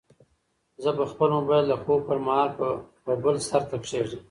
زه به خپل موبایل د خوب پر مهال په بل سرته کېږدم.